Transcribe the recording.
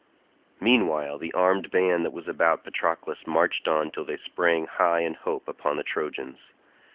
Meanwhile the armed band that was about Patroclus marched on till they sprang high in hope upon the Trojans.